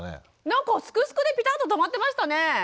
なんか「すくすく」でピタッと止まってましたね。